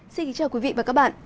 xin kính chào quý vị và các bạn